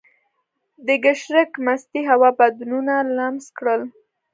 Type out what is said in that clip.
د ګرشک مستې هوا بدنونه لمس کړل.